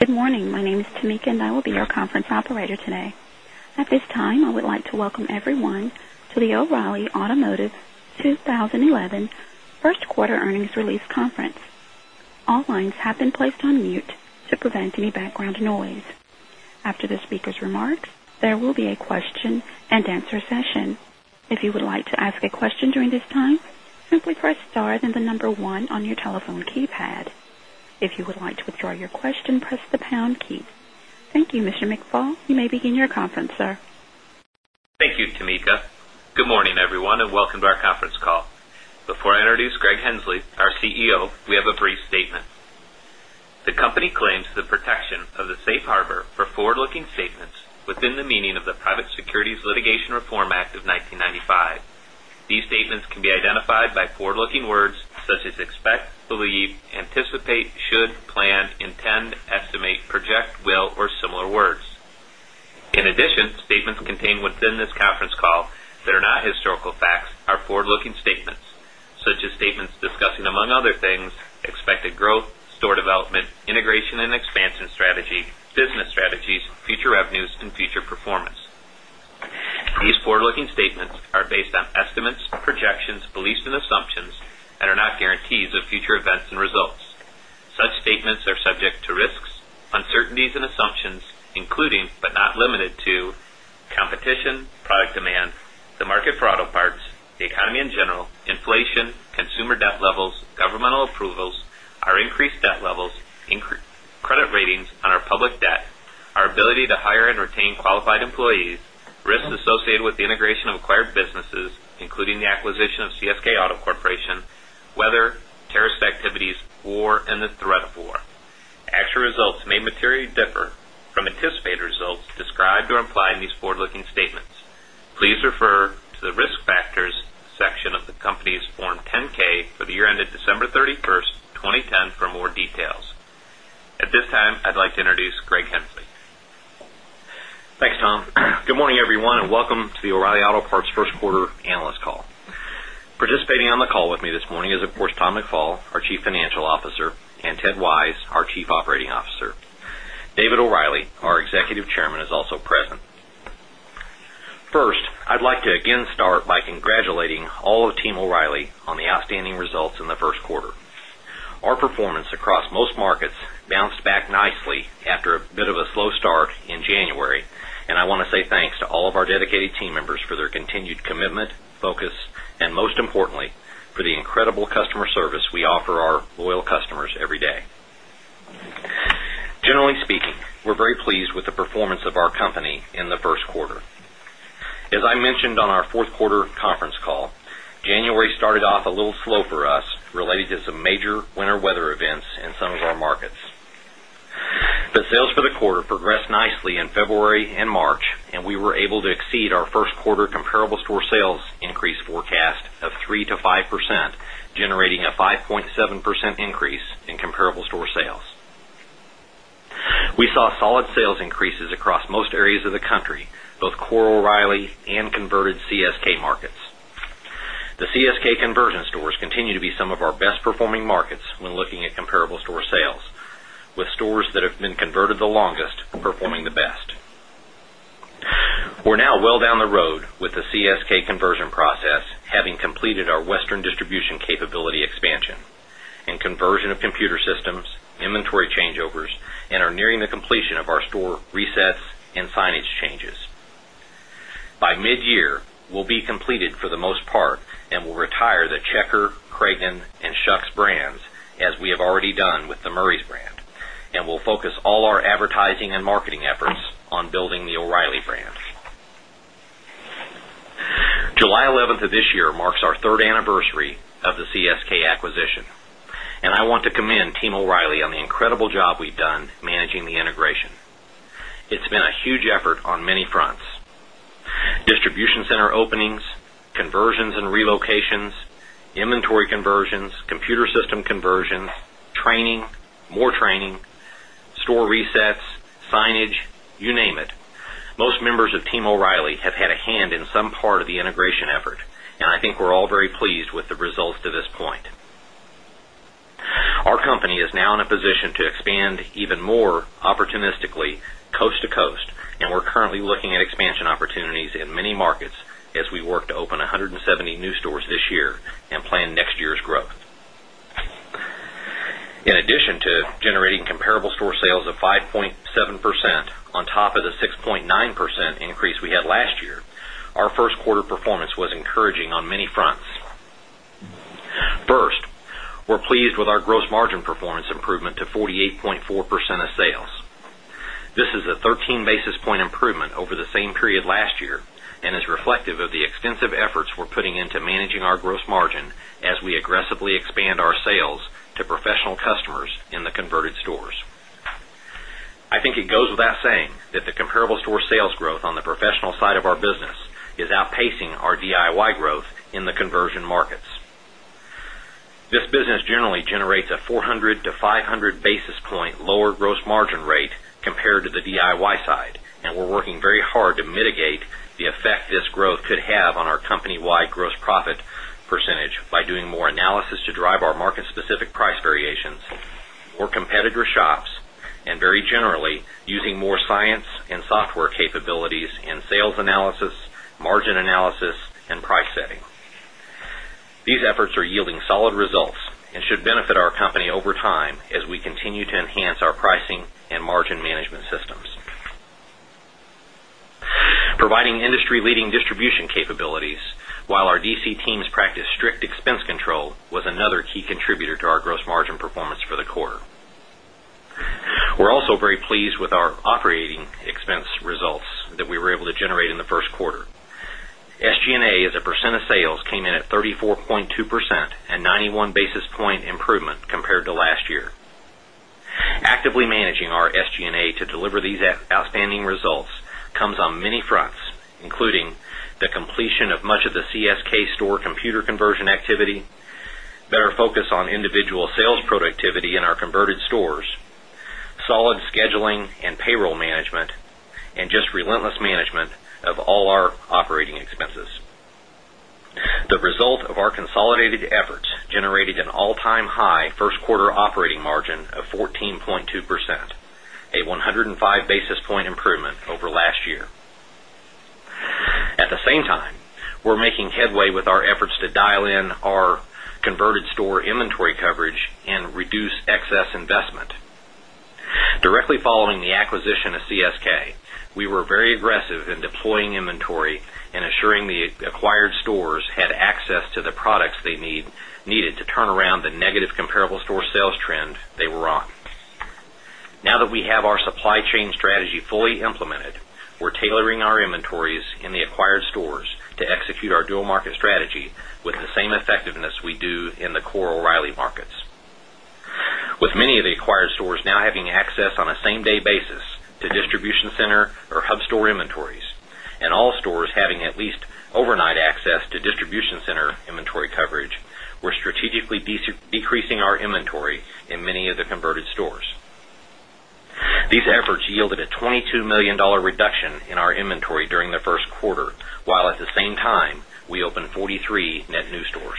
Good morning. My name is Tamika, and I will be your conference operator today. At this time, I would like to welcome everyone to the O'Reilly Automotive 2011 First Quarter Earnings Release Conference. All lines have been placed on mute to prevent any background noise. After the speaker's remarks, there will be a question and answer session. If you would like to ask a question during this time, simply press star then the number one on your telephone keypad. If you would like to withdraw your question, press the pound key. Thank you, Mr. McFall. You may begin your conference, sir. Thank you, Tamika. Good morning, everyone, and welcome to our conference call. Before I introduce Greg Henslee, our CEO, we have a brief statement. The company claims the protection of the safe harbor for forward-looking statements within the meaning of the Private Securities Litigation Reform Act of 1995. These statements can be identified by forward-looking words such as expect, believe, anticipate, should, plan, intend, estimate, project, will, or similar words. In addition, statements contained within this conference call that are not historical facts are forward-looking statements, such as statements discussing, among other things, expected growth, store development, integration and expansion strategy, business strategies, future revenues, and future performance. These forward-looking statements are based on estimates, projections, beliefs, and assumptions, and are not guarantees of future events and results. Such statements are subject to risks, uncertainties, and assumptions, including but not limited to competition, product demand, the market for auto parts, the economy in general, inflation, consumer debt levels, governmental approvals, our increased debt levels, increased credit ratings on our public debt, our ability to hire and retain qualified employees, risks associated with the integration of acquired businesses, including the acquisition of CSK Auto Corporation, weather, terrorist activities, war, and the threat of war. Actual results may materially differ from anticipated results described or implied in these forward-looking statements. Please refer to the risk factors section of the company's Form 10-K for the year ended December 31st, 2010, for more details. At this time, I'd like to introduce Greg Henslee. Thanks, Tom. Good morning, everyone, and welcome to the O'Reilly Auto Parts First Quarter Analyst Call. Participating on the call with me this morning is, of course, Tom McFall, our Chief Financial Officer, and Ted Wise, our Chief Operating Officer. David O'Reilly, our Executive Chairman, is also present. First, I'd like to again start by congratulating all of Team O'Reilly on the outstanding results in the first quarter. Our performance across most markets bounced back nicely after a bit of a slow start in January, and I want to say thanks to all of our dedicated team members for their continued commitment, focus, and most importantly, for the incredible customer service we offer our loyal customers every day. Generally speaking, we're very pleased with the performance of our company in the first quarter. As I mentioned on our fourth quarter conference call, January started off a little slow for us related to some major winter weather events in some of our markets. The sales for the quarter progressed nicely in February and March, and we were able to exceed our first quarter comparable store sales increase forecast of 3%-5%, generating a 5.7% increase in comparable store sales. We saw solid sales increases across most areas of the country, both core O'Reilly and converted CSK markets. The CSK conversion stores continue to be some of our best performing markets when looking at comparable store sales, with stores that have been converted the longest performing the best. We're now well down the road with the CSK conversion process, having completed our Western distribution capability expansion and conversion of computer systems, inventory changeovers, and are nearing the completion of our store resets and signage changes. By mid-year, we'll be completed for the most part and will retire the Checker, Kragen, and Schuck's brands, as we have already done with the Murray's brand, and we'll focus all our advertising and marketing efforts on building the O'Reilly brand. July 11th, marks our third anniversary of the CSK acquisition, and I want to commend Team O'Reilly on the incredible job we've done managing the integration. It's been a huge effort on many fronts: distribution center openings, conversions and relocations, inventory conversions, computer system conversions, training, more training, store resets, signage, you name it. Most members of Team O'Reilly have had a hand in some part of the integration effort, and I think we're all very pleased with the results to this point. Our company is now in a position to expand even more opportunistically, coast to coast, and we're currently looking at expansion opportunities in many markets as we work to open 170 new stores this year and plan next year's growth. In addition to generating comparable store sales of 5.7% on top of the 6.9% increase we had last year, our first quarter performance was encouraging on many fronts. First, we're pleased with our gross margin performance improvement to 48.4% of sales. This is a 13 basis point improvement over the same period last year and is reflective of the extensive efforts we're putting into managing our gross margin as we aggressively expand our sales to professional customers in the converted stores. I think it goes without saying that the comparable store sales growth on the professional side of our business is outpacing our DIY growth in the conversion markets. This business generally generates a 400 basis point-500 basis point lower gross margin rate compared to the DIY side, and we're working very hard to mitigate the effect this growth could have on our company-wide gross profit percentage by doing more analysis to drive our market-specific price variations, more competitor shops, and very generally using more science and software capabilities in sales analysis, margin analysis, and price setting. These efforts are yielding solid results and should benefit our company over time as we continue to enhance our pricing and margin management systems. Providing industry-leading distribution capabilities while our DC teams practice strict expense control was another key contributor to our gross margin performance for the quarter. We're also very pleased with our operating expense results that we were able to generate in the first quarter. SG&A as a percent of sales came in at 34.2%, a 91 basis point improvement compared to last year. Actively managing our SG&A to deliver these outstanding results comes on many fronts, including the completion of much of the CSK store computer conversion activity, better focus on individual sales productivity in our converted stores, solid scheduling and payroll management, and just relentless management of all our operating expenses. The result of our consolidated efforts generated an all-time high first quarter operating margin of 14.2%, a 105 basis point improvement over last year. At the same time, we're making headway with our efforts to dial in our converted store inventory coverage and reduce excess investment. Directly following the acquisition of CSK, we were very aggressive in deploying inventory and assuring the acquired stores had access to the products they needed to turn around the negative comparable store sales trend they were on. Now that we have our supply chain strategy fully implemented, we're tailoring our inventories in the acquired stores to execute our dual market strategy with the same effectiveness we do in the core O'Reilly markets, with many of the acquired stores now having access on a same-day basis to distribution center or hub store inventories, and all stores having at least overnight access to distribution center inventory coverage. We're strategically decreasing our inventory in many of the converted stores. These efforts yielded a $22 million reduction in our inventory during the first quarter, while at the same time, we opened 43 net new stores.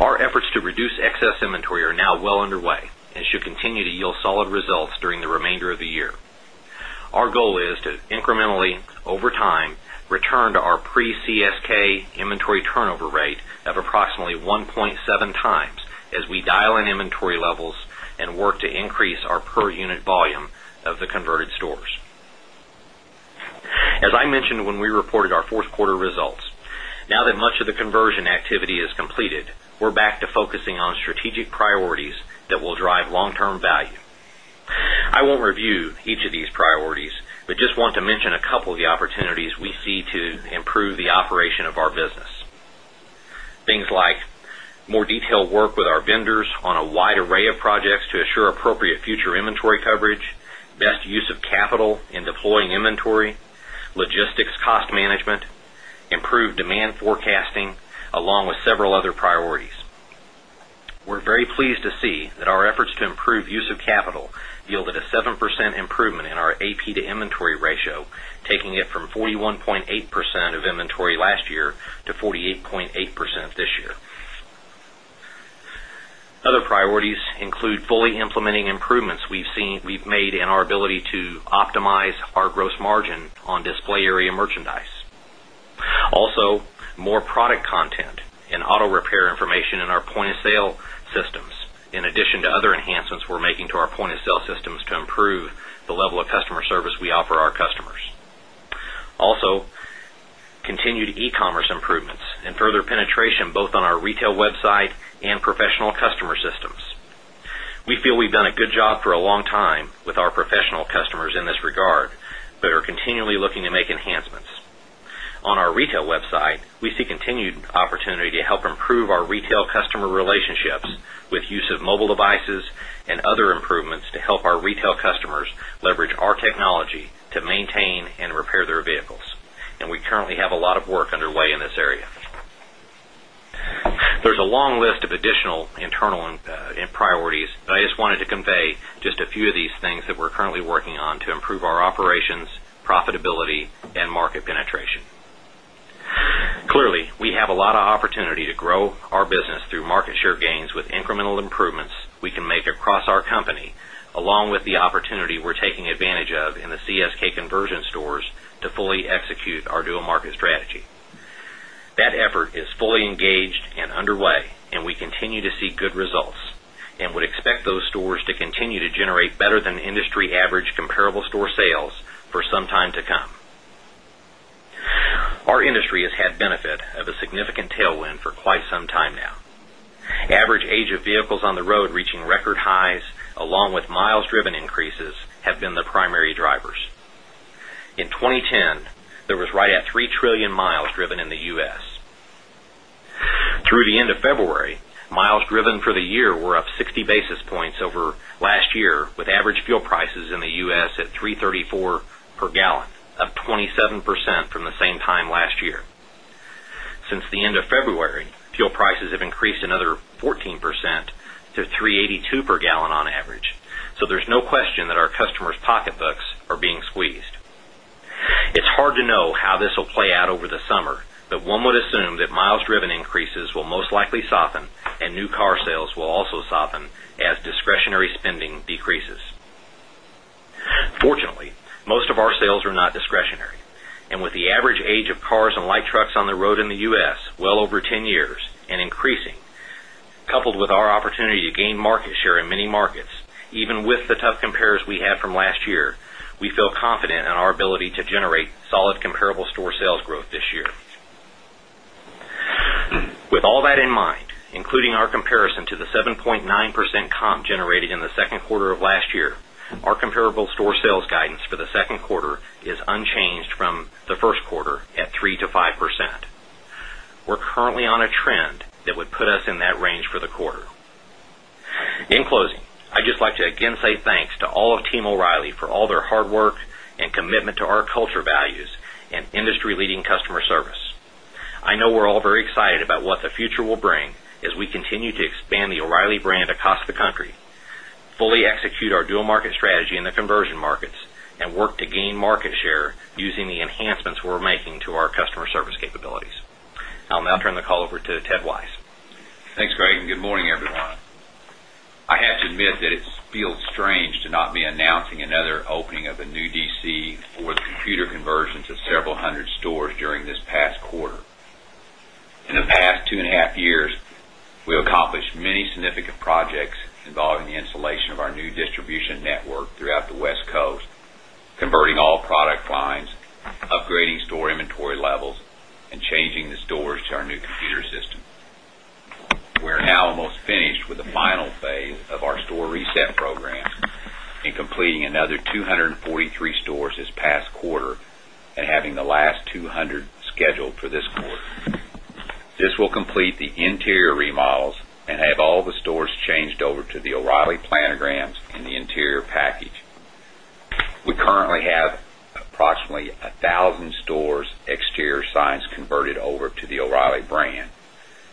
Our efforts to reduce excess inventory are now well underway and should continue to yield solid results during the remainder of the year. Our goal is to incrementally, over time, return to our pre-CSK inventory turnover rate of approximately 1.7x as we dial in inventory levels and work to increase our per unit volume of the converted stores. As I mentioned when we reported our fourth quarter results, now that much of the conversion activity is completed, we're back to focusing on strategic priorities that will drive long-term value. I won't review each of these priorities, but just want to mention a couple of the opportunities we see to improve the operation of our business. Things like more detailed work with our vendors on a wide array of projects to assure appropriate future inventory coverage, best use of capital in deploying inventory, logistics cost management, improved demand forecasting, along with several other priorities. We're very pleased to see that our efforts to improve use of capital yielded a 7% improvement in our accounts payable to inventory ratio, taking it from 41.8% of inventory last year to 48.8% this year. Other priorities include fully implementing improvements we've made in our ability to optimize our gross margin on display area merchandise. Also, more product content and auto repair information in our point-of-sale systems, in addition to other enhancements we're making to our point-of-sale systems to improve the level of customer service we offer our customers. Also, continued e-commerce improvements and further penetration both on our retail website and professional customer systems. We feel we've done a good job for a long time with our professional customers in this regard, but are continually looking to make enhancements. On our retail website, we see continued opportunity to help improve our retail customer relationships with the use of mobile devices and other improvements to help our retail customers leverage our technology to maintain and repair their vehicles, and we currently have a lot of work underway in this area. There's a long list of additional internal priorities, but I just wanted to convey just a few of these things that we're currently working on to improve our operations, profitability, and market penetration. Clearly, we have a lot of opportunity to grow our business through market share gains with incremental improvements we can make across our company, along with the opportunity we're taking advantage of in the CSK conversion stores to fully execute our dual market strategy. That effort is fully engaged and underway, and we continue to see good results and would expect those stores to continue to generate better than industry average comparable store sales for some time to come. Our industry has had the benefit of a significant tailwind for quite some time now. Average age of vehicles on the road reaching record highs, along with miles driven increases, have been the primary drivers. In 2010, there was right at 3 trillion mi driven in the U.S. Through the end of February, miles driven for the year were up 60 basis points over last year, with average fuel prices in the U.S. at $3.34 per gallon, up 27% from the same time last year. Since the end of February, fuel prices have increased another 14% to $3.82 per gallon on average, so there's no question that our customers' pocketbooks are being squeezed. It's hard to know how this will play out over the summer, but one would assume that miles driven increases will most likely soften, and new car sales will also soften as discretionary spending decreases. Fortunately, most of our sales are not discretionary, and with the average age of cars and light trucks on the road in the U.S. well over 10 years and increasing, coupled with our opportunity to gain market share in many markets, even with the tough comparers we had from last year, we feel confident in our ability to generate solid comparable store sales growth this year. With all that in mind, including our comparison to the 7.9% comp generated in the second quarter of last year, our comparable store sales guidance for the second quarter is unchanged from the first quarter at 3%-5%. We're currently on a trend that would put us in that range for the quarter. In closing, I'd just like to again say thanks to all of Team O'Reilly for all their hard work and commitment to our culture values and industry-leading customer service. I know we're all very excited about what the future will bring as we continue to expand the O'Reilly brand across the country, fully execute our dual market strategy in the conversion markets, and work to gain market share using the enhancements we're making to our customer service capabilities. I'll now turn the call over to Ted Wise. Thanks, Greg. Good morning, everyone. I have to admit that it feels strange to not be announcing another opening of a new DC or the computer conversion to several hundred stores during this past quarter. In the past two and a half years, we have accomplished many significant projects involving the installation of our new distribution network throughout the West Coast, converting all product lines, upgrading store inventory levels, and changing the stores to our new computer system. We're now almost finished with the final phase of our store reset program and completing another 243 stores this past quarter and having the last 200 scheduled for this quarter. This will complete the interior remodels and have all the stores changed over to the O'Reilly planograms in the interior package. We currently have approximately 1,000 stores' exterior signs converted over to the O'Reilly brand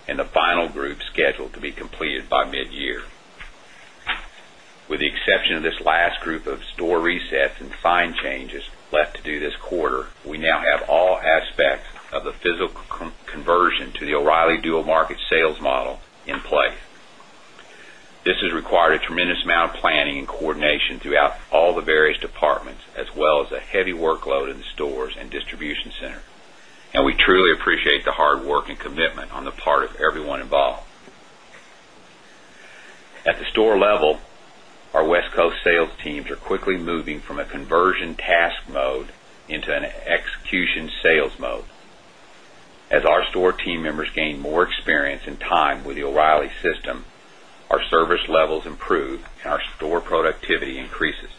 and the final group scheduled to be completed by mid-year. With the exception of this last group of store resets and fine changes left to do this quarter, we now have all aspects of the physical conversion to the O'Reilly dual market sales model in place. This has required a tremendous amount of planning and coordination throughout all the various departments, as well as a heavy workload in the stores and distribution center, and we truly appreciate the hard work and commitment on the part of everyone involved. At the store level, our West Coast sales teams are quickly moving from a conversion task mode into an execution sales mode. As our store team members gain more experience and time with the O'Reilly system, our service levels improve and our store productivity increases.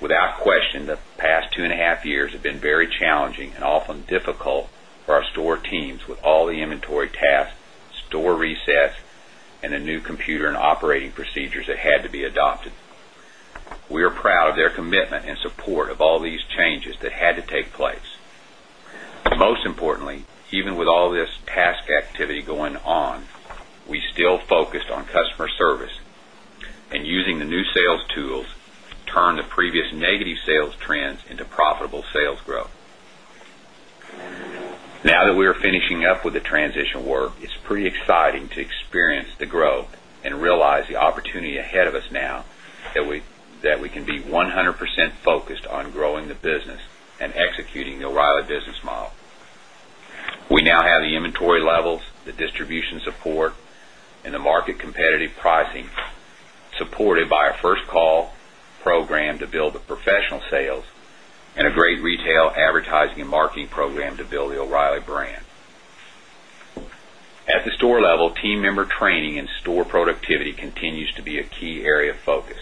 Without question, the past two and a half years have been very challenging and often difficult for our store teams with all the inventory tasks, store resets, and the new computer and operating procedures that had to be adopted. We are proud of their commitment and support of all these changes that had to take place. Most importantly, even with all this task activity going on, we still focused on customer service and using the new sales tools to turn the previous negative sales trends into profitable sales growth. Now that we are finishing up with the transition work, it's pretty exciting to experience the growth and realize the opportunity ahead of us now that we can be 100% focused on growing the business and executing the O'Reilly business model. We now have the inventory levels, the distribution support, and the market competitive pricing supported by our first call program to build the professional sales and a great retail advertising and marketing program to build the O'Reilly brand. At the store level, team member training and store productivity continues to be a key area of focus.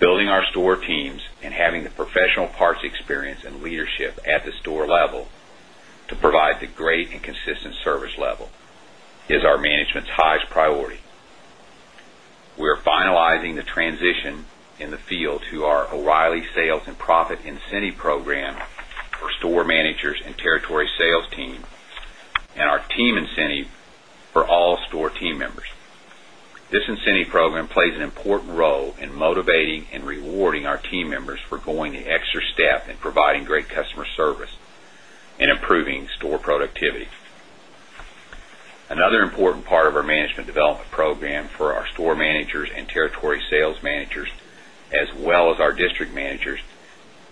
Building our store teams and having the professional parts experience and leadership at the store level to provide the great and consistent service level is our management's highest priority. We're finalizing the transition in the field to our O'Reilly sales and profit incentive program for store managers and territory sales team and our team incentive for all store team members. This incentive program plays an important role in motivating and rewarding our team members for going the extra step in providing great customer service and improving store productivity. Another important part of our management development program for our store managers and territory sales managers, as well as our district managers,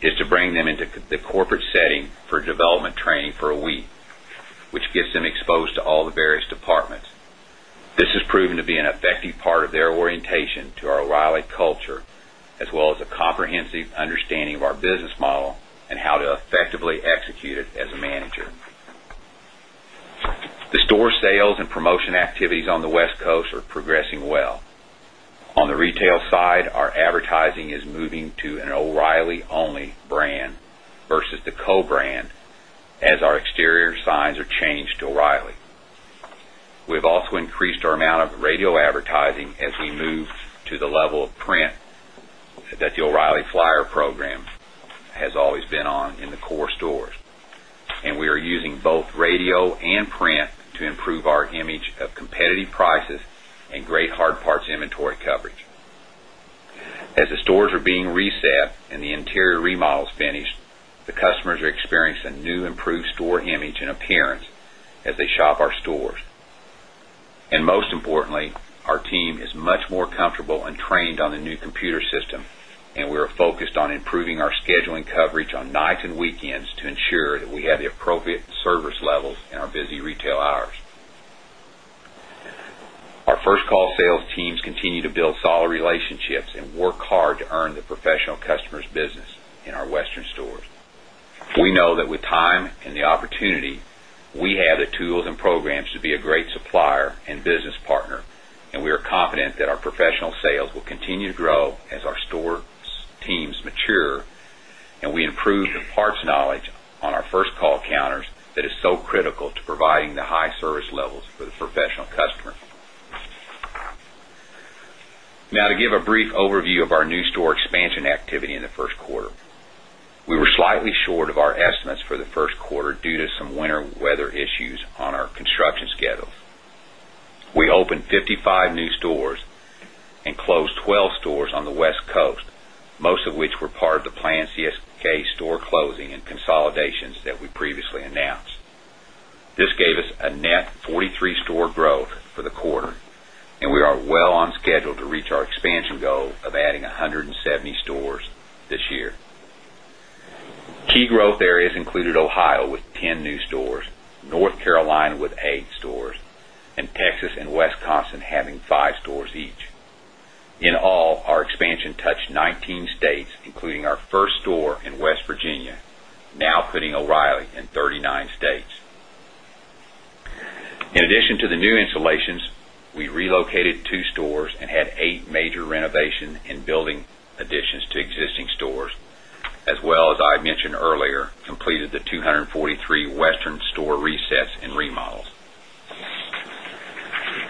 is to bring them into the corporate setting for development training for a week, which gets them exposed to all the various departments. This has proven to be an effective part of their orientation to our O'Reilly culture, as well as a comprehensive understanding of our business model and how to effectively execute it as a manager. The store sales and promotion activities on the West Coast are progressing well. On the retail side, our advertising is moving to an O'Reilly-only brand versus the co-brand as our exterior signs are changed to O'Reilly. We've also increased our amount of radio advertising as we move to the level of print that the O'Reilly flyer program has always been on in the core stores, and we are using both radio and print to improve our image of competitive prices and great hard parts inventory coverage. As the stores are being reset and the interior remodels finished, the customers are experiencing a new improved store image and appearance as they shop our stores. Most importantly, our team is much more comfortable and trained on the new computer system, and we are focused on improving our scheduling coverage on nights and weekends to ensure that we have the appropriate service levels in our busy retail hours. Our first call sales teams continue to build solid relationships and work hard to earn the professional customers' business in our Western stores. We know that with time and the opportunity, we have the tools and programs to be a great supplier and business partner, and we are confident that our professional sales will continue to grow as our store teams mature and we improve the parts knowledge on our first call counters that is so critical to providing the high service levels for the professional customers. Now, to give a brief overview of our new store expansion activity in the first quarter, we were slightly short of our estimates for the first quarter due to some winter weather issues on our construction schedules. We opened 55 new stores and closed 12 stores on the West Coast, most of which were part of the planned CSK store closing and consolidations that we previously announced. This gave us a net 43-store growth for the quarter, and we are well on schedule to reach our expansion goal of adding 170 stores this year. Key growth areas included Ohio with 10 new stores, North Carolina with 8 stores, and Texas and Wisconsin having 5 stores each. In all, our expansion touched 19 states, including our first store in West Virginia, now putting O'Reilly in 39 states. In addition to the new installations, we relocated two stores and had eight major renovations and building additions to existing stores, as well as, I mentioned earlier, completed the 243 Western store resets and remodels.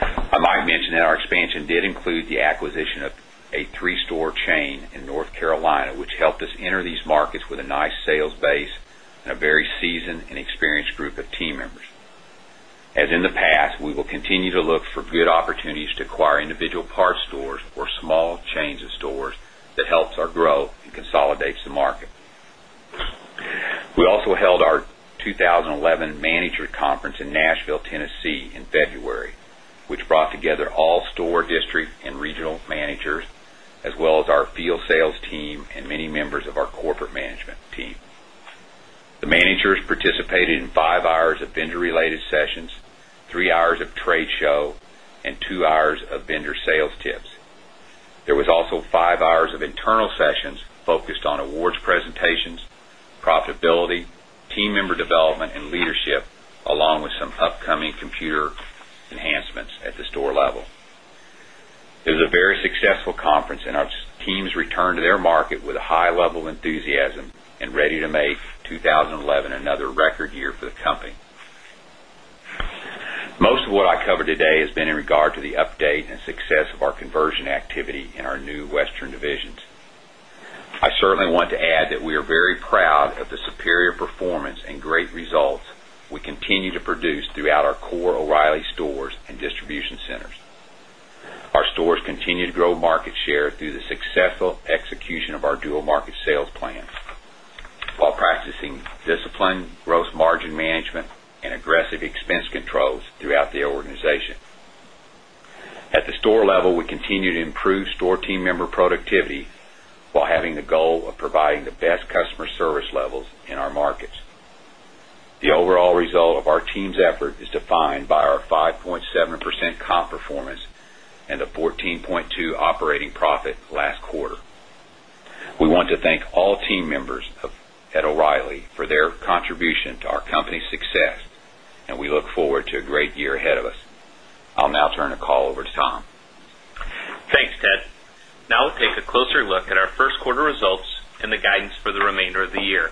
I might mention that our expansion did include the acquisition of a three-store chain in North Carolina, which helped us enter these markets with a nice sales base and a very seasoned and experienced group of team members. As in the past, we will continue to look for good opportunities to acquire individual parts stores or small chains of stores that help our growth and consolidate the market. We also held our 2011 management conference in Nashville, Tennessee, in February, which brought together all store district and regional managers, as well as our field sales team and many members of our corporate management team. The managers participated in five hours of vendor-related sessions, three hours of trade show, and two hours of vendor sales tips. There were also five hours of internal sessions focused on awards presentations, profitability, team member development, and leadership, along with some upcoming computer enhancements at the store level. It was a very successful conference, and our teams returned to their market with a high level of enthusiasm and ready to make 2011 another record year for the company. Most of what I covered today has been in regard to the update and success of our conversion activity in our new Western divisions. I certainly want to add that we are very proud of the superior performance and great results we continue to produce throughout our core O'Reilly stores and distribution centers. Our stores continue to grow market share through the successful execution of our dual market sales plans while practicing disciplined gross margin management and aggressive expense controls throughout the organization. At the store level, we continue to improve store team member productivity while having the goal of providing the best customer service levels in our markets. The overall result of our team's effort is defined by our 5.7% comp performance and the 14.2% operating profit last quarter. We want to thank all team members at O'Reilly for their contribution to our company's success, and we look forward to a great year ahead of us. I'll now turn the call over to Tom. Thanks, Ted. Now we'll take a closer look at our first quarter results and the guidance for the remainder of the year.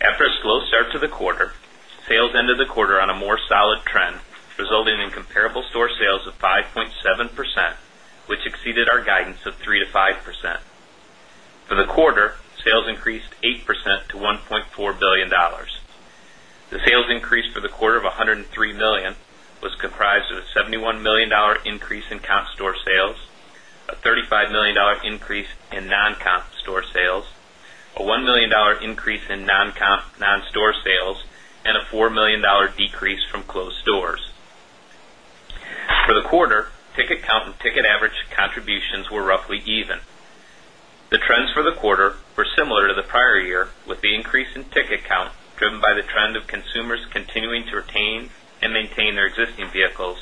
After a slow start to the quarter, sales ended the quarter on a more solid trend, resulting in comparable store sales of 5.7%, which exceeded our guidance of 3%-5%. For the quarter, sales increased 8% to $1.4 billion. The sales increase for the quarter of $103 million was comprised of a $71 million increase in cash store sales, a $35 million increase in non-cash store sales, a $1 million increase in non-store sales, and a $4 million decrease from closed stores. For the quarter, ticket count and ticket average contributions were roughly even. The trends for the quarter were similar to the prior year, with the increase in ticket count driven by the trend of consumers continuing to retain and maintain their existing vehicles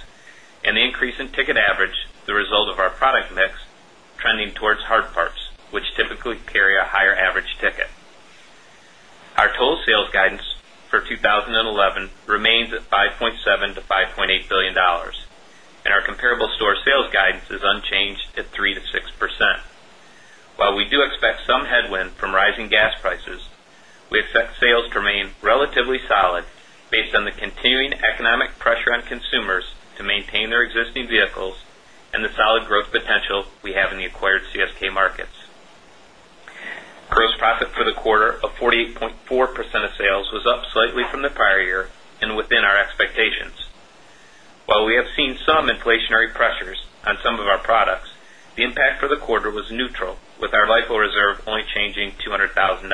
and the increase in ticket average, the result of our product mix trending towards hard parts, which typically carry a higher average ticket. Our total sales guidance for 2011 remains at $5.7 billion-$5.8 billion, and our comparable store sales guidance is unchanged at 3%-6%. While we do expect some headwind from rising gas prices, we expect sales to remain relatively solid based on the continuing economic pressure on consumers to maintain their existing vehicles and the solid growth potential we have in the acquired CSK markets. Gross profit for the quarter of 48.4% of sales was up slightly from the prior year and within our expectations. While we have seen some inflationary pressures on some of our products, the impact for the quarter was neutral, with our lifeline reserve only changing $200,000.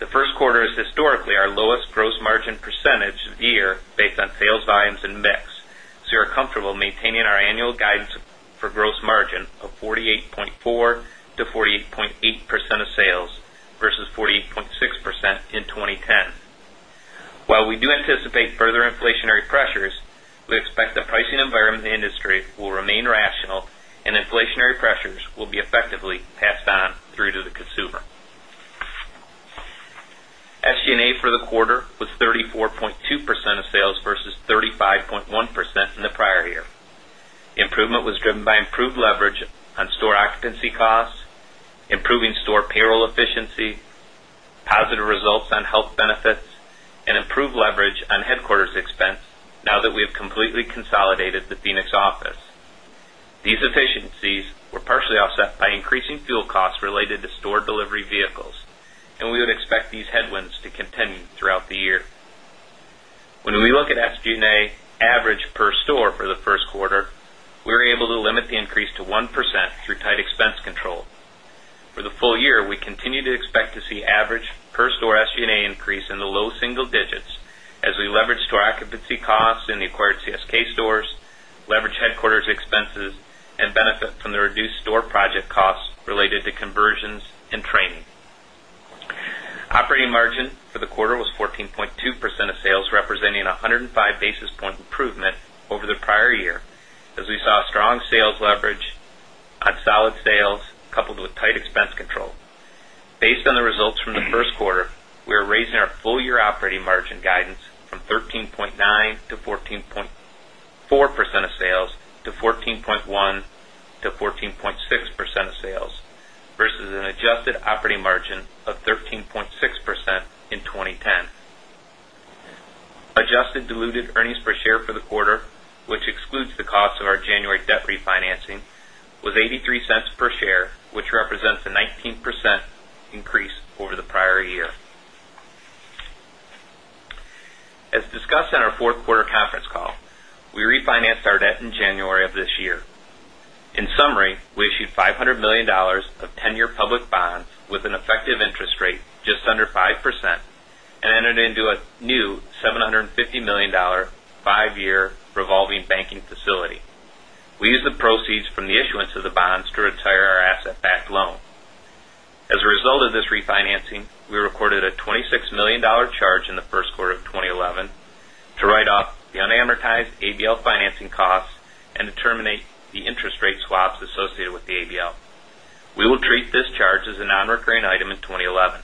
The first quarter is historically our lowest gross margin percentage of the year based on sales volumes and mix, so we are comfortable maintaining our annual guidance for gross margin of 48.4%-48.8% of sales versus 48.6% in 2010. While we do anticipate further inflationary pressures, we expect the pricing environment in the industry will remain rational and inflationary pressures will be effectively passed on through to the consumer. SG&A for the quarter was 34.2% of sales versus 35.1% in the prior year. The improvement was driven by improved leverage on store occupancy costs, improving store payroll efficiency, positive results on health benefits, and improved leverage on headquarters expense now that we have completely consolidated the Phoenix office. These efficiencies were partially offset by increasing fuel costs related to store delivery vehicles, and we would expect these headwinds to continue throughout the year. When we look at SG&A average per store for the first quarter, we were able to limit the increase to 1% through tight expense control. For the full year, we continue to expect to see average per store SG&A increase in the low single digits as we leverage store occupancy costs in the acquired CSK stores, leverage headquarters expenses, and benefit from the reduced store project costs related to conversions and training. Operating margin for the quarter was 14.2% of sales, representing a 105 basis point improvement over the prior year, as we saw strong sales leverage on solid sales coupled with tight expense control. Based on the results from the first quarter, we are raising our full-year operating margin guidance from 13.9%-14.4% of sales to 14.1%-14.6% of sales versus an adjusted operating margin of 13.6% in 2010. Adjusted diluted earnings per share for the quarter, which excludes the cost of our January debt refinancing, was $0.83 per share, which represents a 19% increase over the prior year. As discussed in our fourth quarter conference call, we refinanced our debt in January of this year. In summary, we issued $500 million of 10-year public bonds with an effective interest rate just under 5% and entered into a new $750 million five-year revolving banking facility. We used the proceeds from the issuance of the bonds to retire our asset-backed loan. As a result of this refinancing, we recorded a $26 million charge in the first quarter of 2011 to write off the unamortized ADL financing costs and to terminate the interest rate swaps associated with the ADL. We will treat this charge as a non-recurring item in 2011.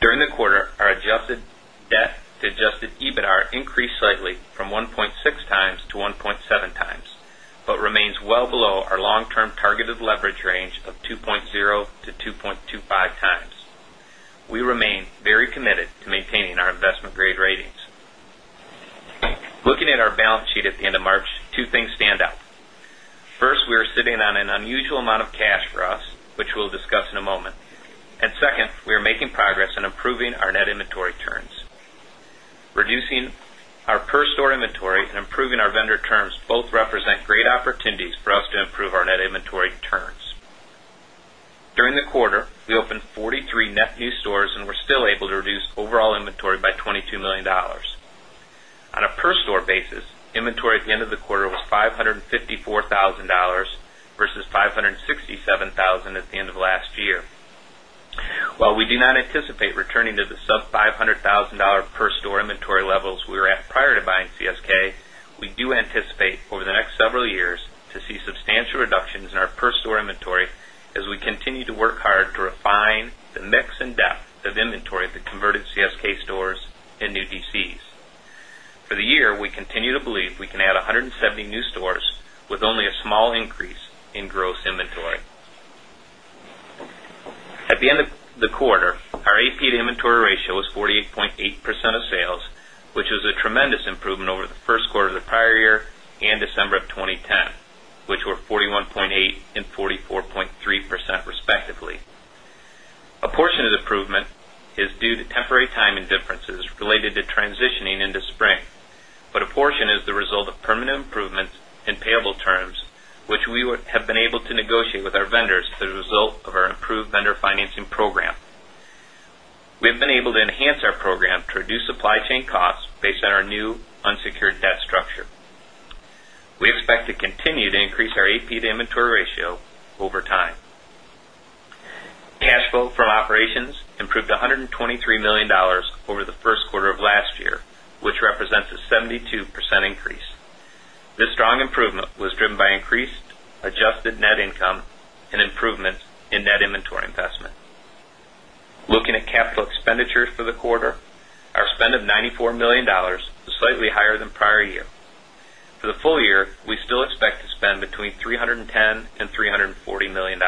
During the quarter, our adjusted debt to adjusted EBITDA increased slightly from 1.6x-1.7x but remains well below our long-term targeted leverage range of 2.0x-2.25x. We remain very committed to maintaining our investment-grade ratings. Looking at our balance sheet at the end of March, two things stand out. First, we are sitting on an unusual amount of cash for us, which we'll discuss in a moment, and second, we are making progress in improving our net inventory turns. Reducing our per-store inventory and improving our vendor terms both represent great opportunities for us to improve our net inventory turns. During the quarter, we opened 43 net new stores and were still able to reduce overall inventory by $22 million. On a per-store basis, inventory at the end of the quarter was $554,000 versus $567,000 at the end of last year. While we do not anticipate returning to the sub-$500,000 per-store inventory levels we were at prior to buying CSK, we do anticipate over the next several years to see substantial reductions in our per-store inventory as we continue to work hard to refine the mix and depth of inventory at the converted CSK stores and new DCs. For the year, we continue to believe we can add 170 new stores with only a small increase in gross inventory. At the end of the quarter, our AP-to-inventory ratio was 48.8% of sales, which was a tremendous improvement over the first quarter of the prior year and December of 2010, which were 41.8% and 44.3% respectively. A portion of the improvement is due to temporary timing differences related to transitioning into spring, but a portion is the result of permanent improvements in payable terms, which we have been able to negotiate with our vendors as a result of our improved vendor financing program. We have been able to enhance our program to reduce supply chain costs based on our new unsecured debt structure. We expect to continue to increase our accounts payable to inventory ratio over time. Cash flow from operations improved to $123 million over the first quarter of last year, which represents a 72% increase. This strong improvement was driven by increased adjusted net income and improvements in net inventory investment. Looking at capital expenditures for the quarter, our spend of $94 million was slightly higher than prior year. For the full year, we still expect to spend between $310 million and $340 million.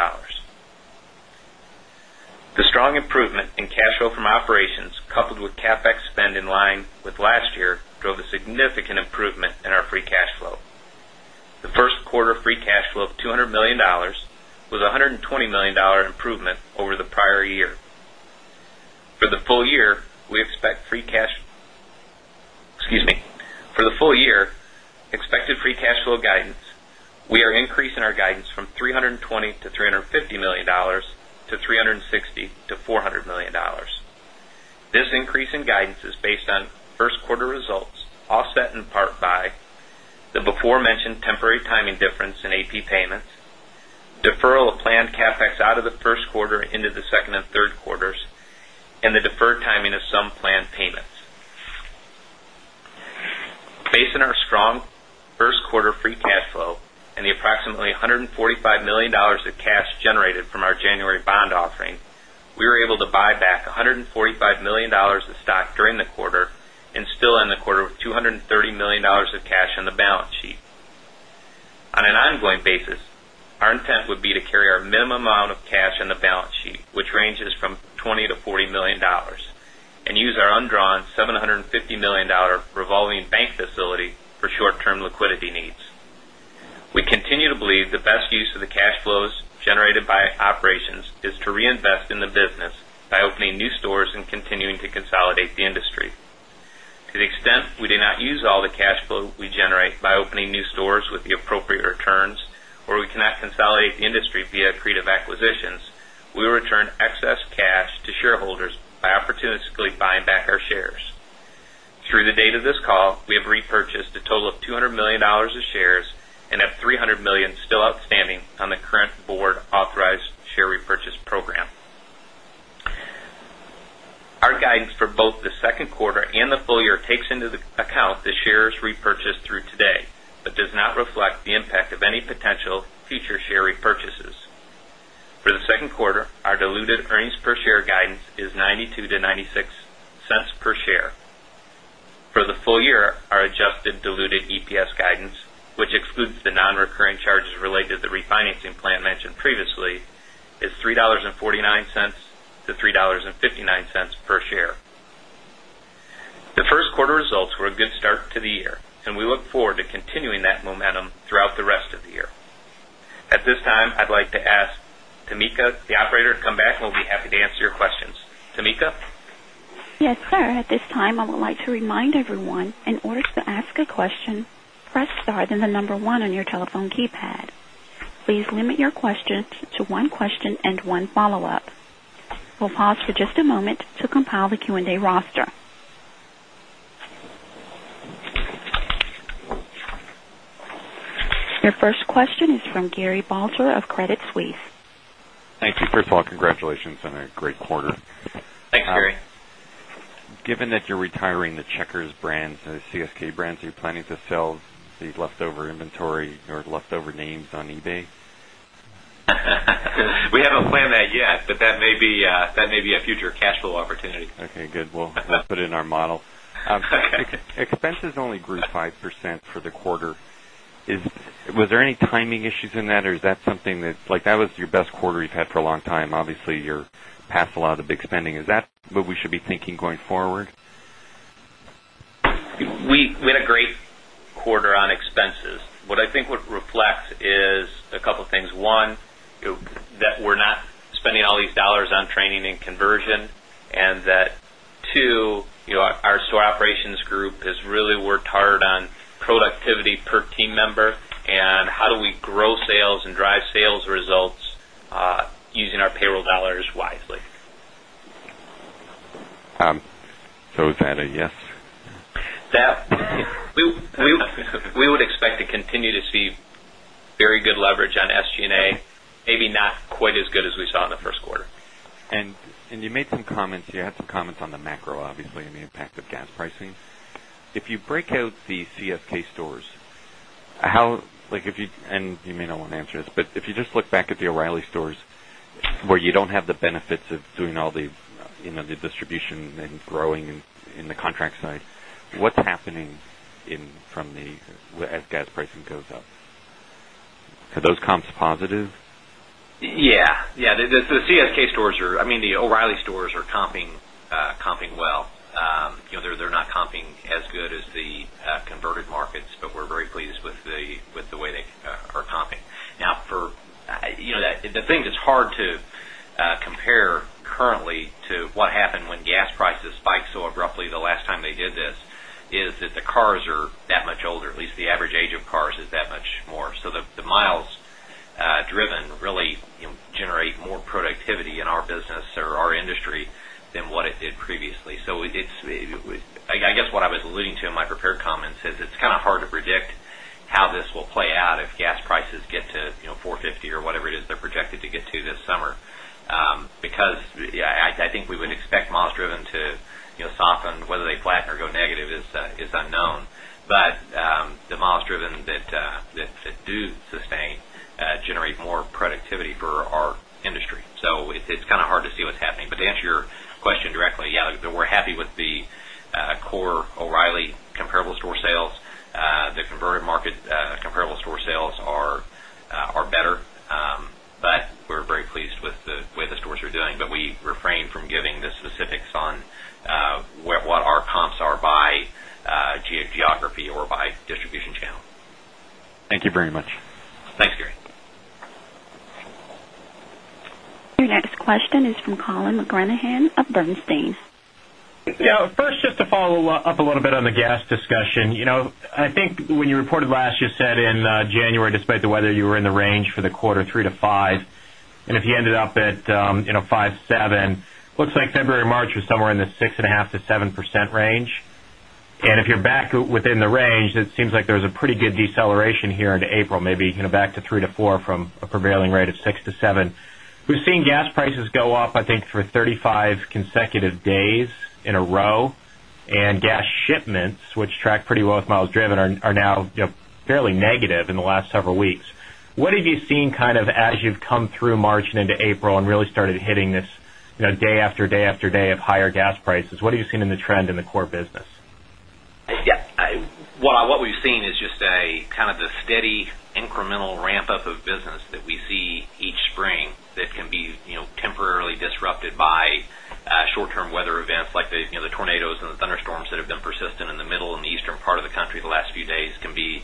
The strong improvement in cash flow from operations, coupled with CapEx spend in line with last year, drove a significant improvement in our free cash flow. The first quarter free cash flow of $200 million was a $120 million improvement over the prior year. For the full year, we expect free cash flow guidance, we are increasing our guidance from $320 million-$350 million to $360 million-$400 million. This increase in guidance is based on first quarter results offset in part by the before-mentioned temporary timing difference in AP payments, deferral of planned CapEx out of the first quarter into the second and third quarters, and the deferred timing of some planned payments. Based on our strong first quarter free cash flow and the approximately $145 million of cash generated from our January bond offering, we were able to buy back $145 million of stock during the quarter and still end the quarter with $230 million of cash on the balance sheet. On an ongoing basis, our intent would be to carry our minimum amount of cash on the balance sheet, which ranges from $20 million-$40 million, and use our undrawn $750 million revolving bank facility for short-term liquidity needs. We continue to believe the best use of the cash flows generated by operations is to reinvest in the business by opening new stores and continuing to consolidate the industry. To the extent we do not use all the cash flow we generate by opening new stores with the appropriate returns, or we cannot consolidate the industry via creative acquisitions, we will return excess cash to shareholders by opportunistically buying back our shares. Through the date of this call, we have repurchased a total of $200 million of shares and have $300 million still outstanding on the current board authorized share repurchase program. Our guidance for both the second quarter and the full year takes into account the shares repurchased through today but does not reflect the impact of any potential future share repurchases. For the second quarter, our diluted earnings per share guidance is $0.92-$0.96 per share. For the full year, our adjusted diluted EPS guidance, which excludes the non-recurring charges related to the refinancing plan mentioned previously, is $3.49-$3.59 per share. The first quarter results were a good start to the year, and we look forward to continuing that momentum throughout the rest of the year. At this time, I'd like to ask Tamika, the operator, to come back, and we'll be happy to answer your questions. Tamika? Yes, sir. At this time, I would like to remind everyone, in order to ask a question, press star then the number one on your telephone keypad. Please limit your questions to one question and one follow-up. We'll pause for just a moment to compile the Q&A roster. Your first question is from Gary Balter of Credit Suisse. Thank you. First of all, congratulations on a great quarter. Thanks, Gary. Given that you're retiring the Checker brands and the CSK brands, are you planning to sell the leftover inventory or leftover names on eBay? We haven't planned that yet, but that may be a future cash flow opportunity. Okay, good. We'll put it in our model. Expenses only grew 5% for the quarter. Was there any timing issues in that, or is that something that like that was your best quarter you've had for a long time? Obviously, you're past a lot of the big spending. Is that what we should be thinking going forward? We had a great quarter on expenses. What I think reflects is a couple of things. One, you know that we're not spending all these dollars on training and conversion, and that, two, you know our store operations group has really worked hard on productivity per team member and how do we grow sales and drive sales results, using our payroll dollars wisely. Is that a yes? We would expect to continue to see very good leverage on SG&A, maybe not quite as good as we saw in the first quarter. You made some comments on the macro, obviously, and the impact of gas pricing. If you break out the CSK stores, if you just look back at the O'Reilly stores where you don't have the benefits of doing all the distribution and growing in the contract side, what's happening as gas pricing goes up? Are those comps positive? Yeah, yeah. The CSK stores are, I mean, the O'Reilly stores are comping well. They're not comping as good as the converted markets, but we're very pleased with the way they are comping. Now, it's hard to compare currently to what happened when gas prices spiked so abruptly the last time they did this, because the cars are that much older. At least the average age of cars is that much more. The miles driven really generate more productivity in our business or our industry than what it did previously. I guess what I was alluding to in my prepared comments is it's kind of hard to predict how this will play out if gas prices get to, you know, $4.50 or whatever it is they're projected to get to this summer. I think we would expect miles driven to soften, whether they flatten or go negative is unknown. The miles driven that do sustain generate more productivity for our industry. It's kind of hard to see what's happening. To answer your question directly, yeah, we're happy with the core O'Reilly comparable store sales. The converted market comparable store sales are better, but we're very pleased with the way the stores are doing. We refrain from giving the specifics on what our comps are by geography or by distribution channel. Thank you very much. Thanks, Gary. Your next question is from Colin McGranahan of Bernstein. Yeah, first just to follow up a little bit on the gas discussion. I think when you reported last, you said in January, despite the weather, you were in the range for the quarter 3%-5%. If you ended up at 5.7%, it looks like February and March were somewhere in the 6.5%-7% range. If you're back within the range, it seems like there was a pretty good deceleration here into April, maybe back to 3%-4% from a prevailing rate of 6%-7%. We've seen gas prices go up, I think, for 35 consecutive days in a row, and gas shipments, which track pretty well with miles driven, are now fairly negative in the last several weeks. What have you seen as you've come through March and into April and really started hitting this day after day after day of higher gas prices? What have you seen in the trend in the core business? What we've seen is just a kind of a steady incremental ramp-up of business that we see each spring that can be, you know, temporarily disrupted by short-term weather events like the, you know, the tornadoes and the thunderstorms that have been persistent in the middle and the eastern part of the country the last few days can be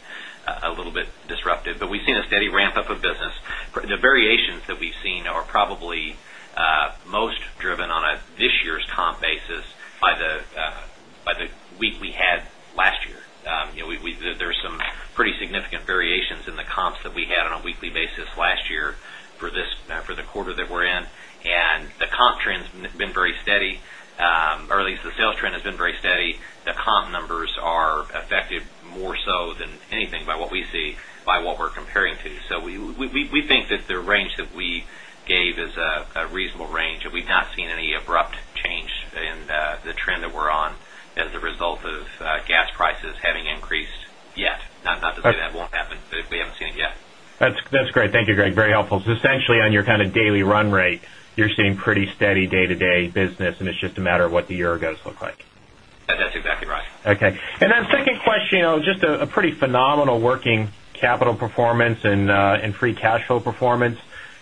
a little bit disruptive. We've seen a steady ramp-up of business. The variations that we've seen are probably most driven on this year's comp basis by the week we had last year. There are some pretty significant variations in the comps that we had on a weekly basis last year for the quarter that we're in. The comp trend's been very steady, or at least the sales trend has been very steady. The comp numbers are affected more so than anything by what we see, by what we're comparing to. We think that the range that we gave is a reasonable range, and we've not seen any abrupt change in the trend that we're on as a result of gas prices having increased yet. Not to say that won't happen, but we haven't seen it yet. That's great. Thank you, Greg. Very helpful. Essentially, on your kind of daily run rate, you're seeing pretty steady day-to-day business, and it's just a matter of what the year goes look like. That's exactly right. Okay. Then second question, just a pretty phenomenal working capital performance and free cash flow performance.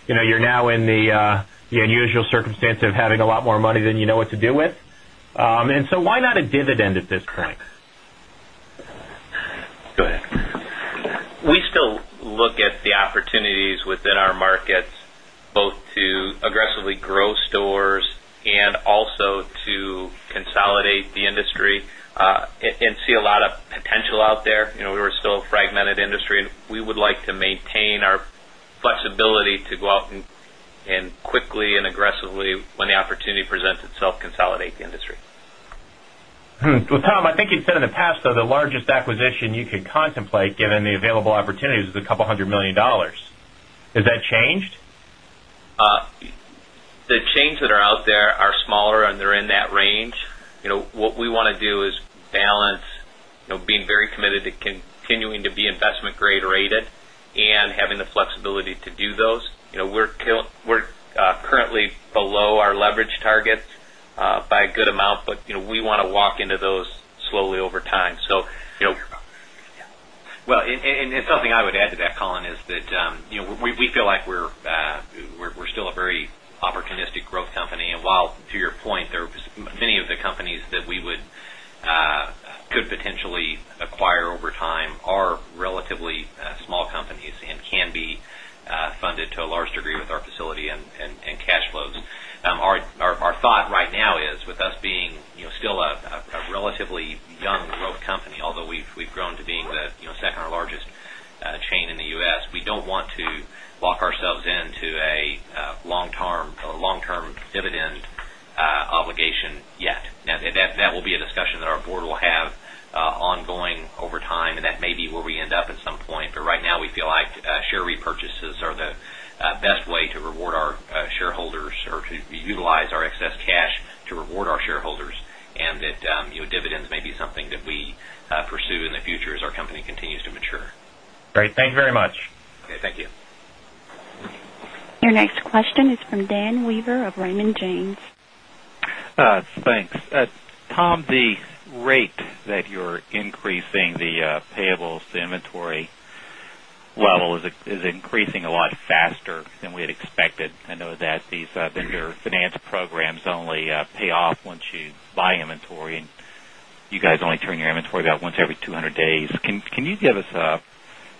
You're now in the unusual circumstance of having a lot more money than you know what to do with. Why not a dividend at this point? Go ahead. We still look at the opportunities within our markets, both to aggressively grow stores and also to consolidate the industry, and see a lot of potential out there. We're still a fragmented industry, and we would like to maintain our flexibility to go out quickly and aggressively, when the opportunity presents itself, consolidate the industry. Tom, I think you'd said in the past, though, the largest acquisition you could contemplate, given the available opportunities, is a couple hundred million dollars. Has that changed? The chains that are out there are smaller, and they're in that range. What we want to do is balance being very committed to continuing to be investment-grade rated and having the flexibility to do those. We're currently below our leverage targets by a good amount, but we want to walk into those slowly over time. Something I would add to that, Colin, is that, you know, we feel like we're still a very opportunistic growth company. To your point, many of the companies that we could potentially acquire over time are relatively small companies and can be funded to a large degree with our facility and cash flows.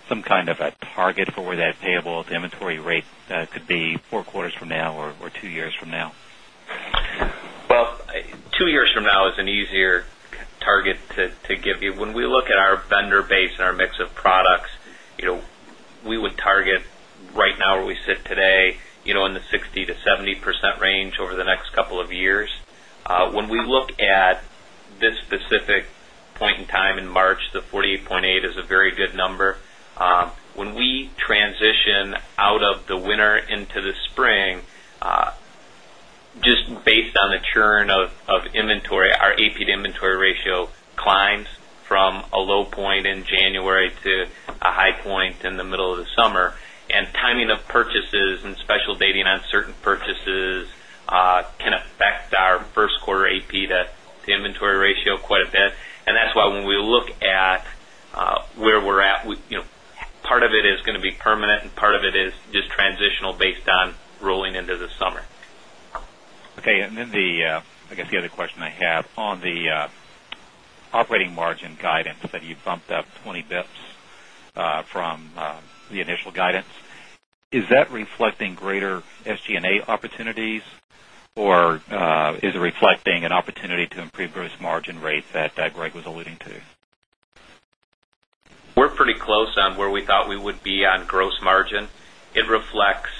some kind of a target for where that payable to inventory rate could be four quarters from now or two years from now? Two years from now is an easier target to give you. When we look at our vendor base and our mix of products, you know, we would target right now where we sit today, you know, in the 60%-70% range over the next couple of years. When we look at this specific point in time in March, the 48.8% is a very good number. When we transition out of the winter into the spring, just based on the churn of inventory, our accounts payable to inventory ratio climbs from a low point in January to a high point in the middle of the summer. Timing of purchases and special dating on certain purchases can affect our first quarter accounts payable to inventory ratio quite a bit. That is why when we look at where we're at, you know, part of it is going to be permanent and part of it is just transitional based on rolling into the summer. Okay. The other question I have on the operating margin guidance that you bumped up 20 basis points from the initial guidance, is that reflecting greater SG&A opportunities, or is it reflecting an opportunity to improve gross margin rates that Greg was alluding to? We're pretty close on where we thought we would be on gross margin. It reflects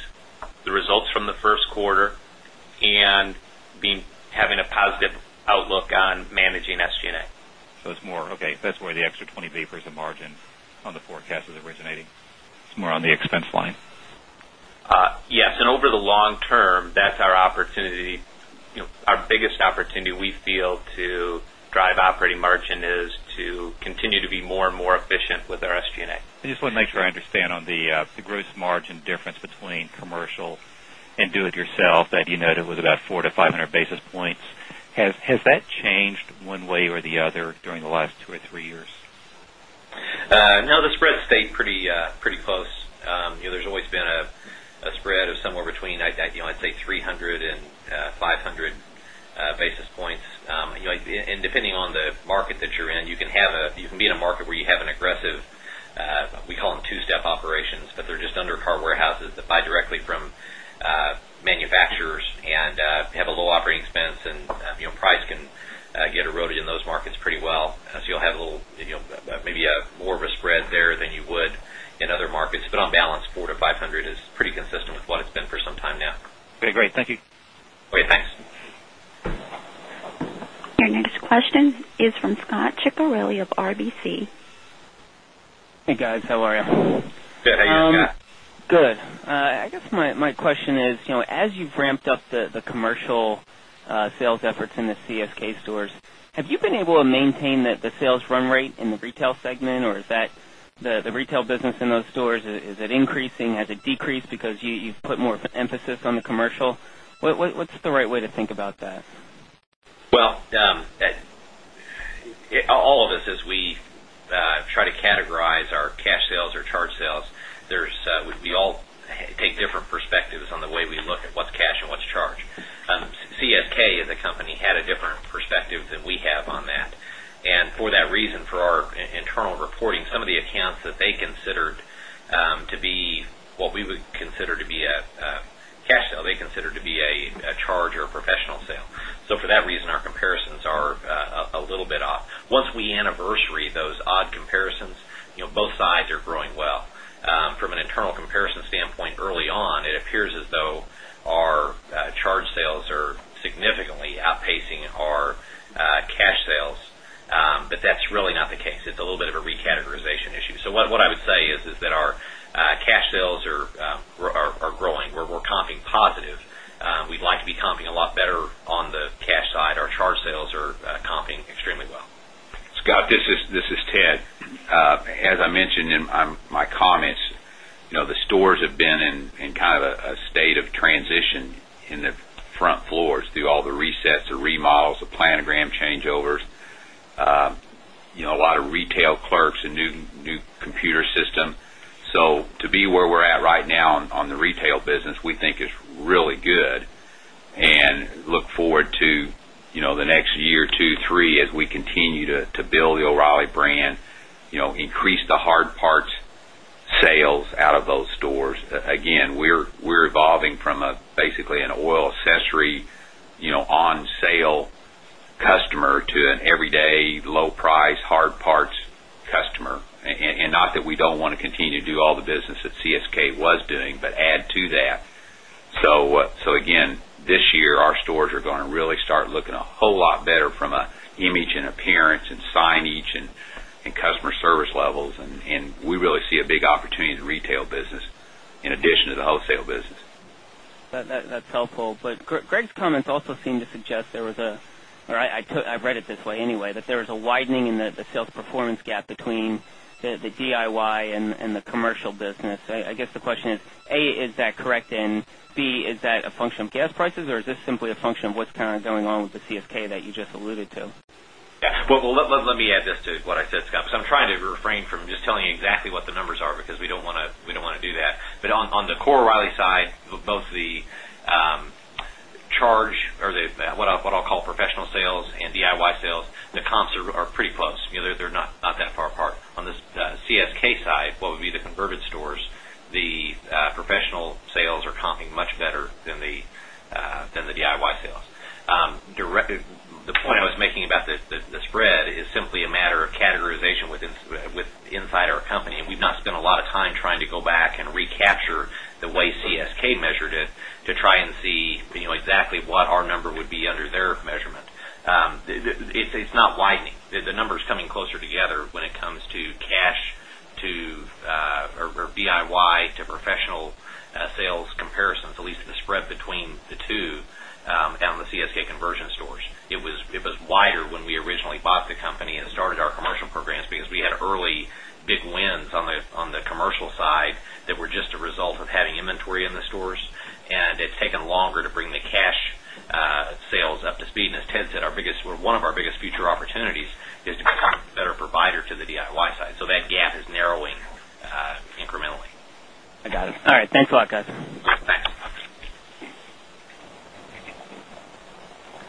the results from the first quarter and having a positive outlook on managing SG&A. That is where the extra 20 basis points of margin on the forecast is originating. It's more on the expense line. Yes, over the long term, that's our opportunity. Our biggest opportunity we feel to drive operating margin is to continue to be more and more efficient with our SG&A. I just want to make sure I understand on the gross margin difference between commercial and do-it-yourself that you noted was about 400 basis points-500 basis points. Has that changed one way or the other during the last two or three years? No, the spread stayed pretty close. There's always been a spread of somewhere between, I'd say, 300 basis points and 500 basis points. Depending on the market that you're in, you can be in a market where you have an aggressive, we call them two-step operations, but they're just undercar warehouses that buy directly from manufacturers and have a low operating expense, and price can get eroded in those markets pretty well. You'll have maybe more of a spread there than you would in other markets. On balance, 400 basis points-500 basis points is pretty consistent with what it's been for some time now. Okay, great. Thank you. Okay, thanks. Your next question is from Scott Ciccarelli of RBC. Hey, guys. How are you? Good. How are you, Scott? Good. I guess my question is, as you've ramped up the commercial sales efforts in the CSK stores, have you been able to maintain the sales run rate in the retail segment, or is the retail business in those stores, is it increasing? Has it decreased because you've put more of an emphasis on the commercial? What's the right way to think about that? All of us, as we try to categorize our cash sales or charge sales, take different perspectives on the way we look at what's cash and what's charge. CSK as a company had a different perspective than we have on that. For that reason, for our internal reporting, some of the accounts that they considered to be what we would consider to be a cash sale, they considered to be a charge or a professional sale. For that reason, our comparisons are a little bit off. Once we anniversary those odd comparisons, you know, both sides are growing well. From an internal comparison standpoint, early on, it appears as though our charge sales are significantly outpacing our cash sales, but that's really not the case. It's a little bit of a recategorization issue. What I would say is that our cash sales are growing. We're comping positive. We'd like to be comping a lot better on the cash side. Our charge sales are comping extremely well. Scott, this is Ted. As I mentioned in my comments, the stores have been in kind of a state of transition in the front floors through all the resets, the remodels, the planogram changeovers. A lot of retail clerks and new computer systems. To be where we're at right now on the retail business, we think is really good and look forward to the next year, two, three, as we continue to build the O'Reilly brand, increase the hard parts sales out of those stores. We're evolving from basically an oil accessory, on-sale customer to an everyday low-price hard parts customer. Not that we don't want to continue to do all the business that CSK was doing, but add to that. This year, our stores are going to really start looking a whole lot better from an image and appearance and signage and customer service levels. We really see a big opportunity in the retail business in addition to the wholesale business. That's helpful. Greg's comments also seem to suggest there was a, or I read it this way anyway, that there was a widening in the sales performance gap between the DIY and the commercial business. I guess the question is, A, is that correct? B, is that a function of gas prices, or is this simply a function of what's kind of going on with the CSK that you just alluded to? Yeah. Let me add this to what I said, Scott, because I'm trying to refrain from just telling you exactly what the numbers are because we don't want to do that. On the core O'Reilly side, both the charge or what I'll call professional sales and DIY sales, the comps are pretty close. You know, they're not that far apart. On the CSK side, what would be the converted stores, the professional sales are comping much better than the DIY sales. The point I was making about the spread is simply a matter of categorization within our company. We've not spent a lot of time trying to go back and recapture the way CSK measured it to try and see exactly what our number would be under their measurement. It's not widening. The number is coming closer together when it comes to cash to or DIY to professional sales comparisons, at least the spread between the two and on the CSK conversion stores. It was wider when we originally bought the company and started our commercial programs because we had early big wins on the commercial side that were just a result of having inventory in the stores. It's taken longer to bring the cash sales up to speed. As Ted said, one of our biggest future opportunities is to become a better provider to the DIY side. That gap is narrowing incrementally. I got it. All right. Thanks a lot, guys. Thanks.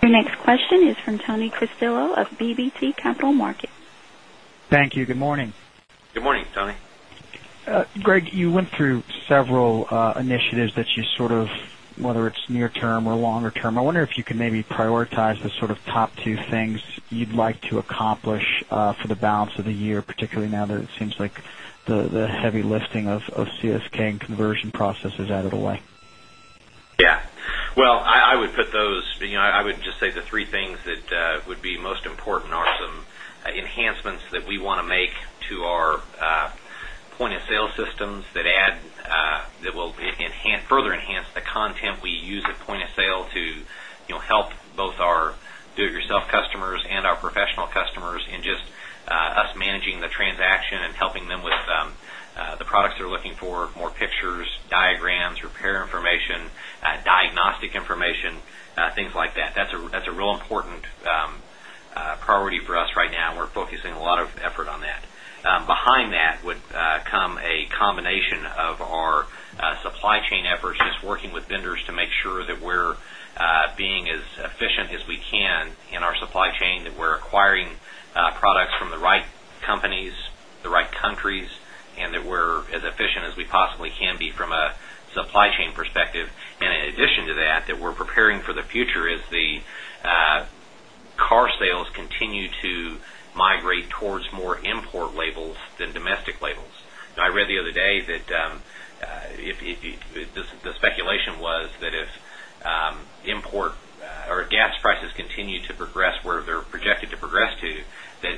Your next question is from Tony Cristello of BB&T Capital Market. Thank you. Good morning. Good morning, Tony. Greg, you went through several initiatives that you sort of, whether it's near-term or longer term, I wonder if you could maybe prioritize the top two things you'd like to accomplish for the balance of the year, particularly now that it seems like the heavy lifting of CSK and conversion process is out of the way. Yeah. I would put those, you know, I would just say the three things that would be most important are some enhancements that we want to make to our point-of-sale systems that add, that will further enhance the content we use at point-of-sale to, you know, help both our do-it-yourself customers and our professional customers in just us managing the transaction and helping them with the products they're looking for, more pictures, diagrams, repair information, diagnostic information, things like that. That's a real important priority for us right now. We're focusing a lot of effort on that. Behind that would come a combination of our supply chain efforts, just working with vendors to make sure that we're being as efficient as we can in our supply chain, that we're acquiring products from the right companies, the right countries, and that we're as efficient as we possibly can be from a supply chain perspective. In addition to that, we're preparing for the future as the car sales continue to migrate towards more import labels than domestic labels. I read the other day that the speculation was that if import or gas prices continue to progress where they're projected to progress to,